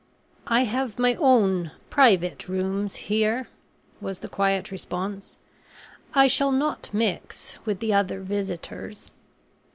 "I have my own private rooms here," was the quiet response. "I shall not mix with the other visitors."